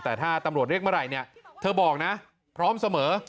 แต่ถ้าตำรวจเรียกเมื่อไหร่เนี่ยเธอบอกนะพร้อมเสมอ